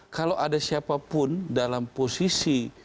kalau ada siapapun dalam posisi